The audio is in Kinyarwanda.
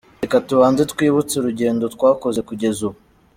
Reka tubanze twibutse urugendo twakoze kugeza ubu :